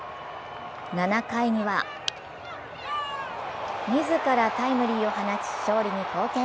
７回には自らタイムリーを放ち、勝利に貢献